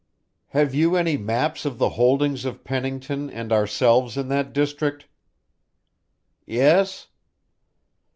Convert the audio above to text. "Have you any maps of the holdings of Pennington and ourselves in that district?" "Yes."